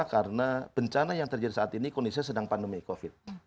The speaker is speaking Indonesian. karena bencana yang terjadi saat ini kondisinya sedang pandemi covid